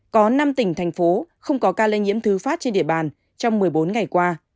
có năm tỉnh thành phố không có ca lây nhiễm thứ phát trên địa bàn trong một mươi bốn ngày qua